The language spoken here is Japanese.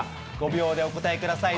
５秒でお答えください。